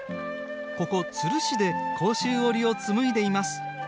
ここ、都留市で甲州織を紡いでいます。